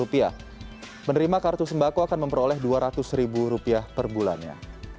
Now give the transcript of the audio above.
penerima kartu sembako akan memperoleh rp dua ratus per bulannya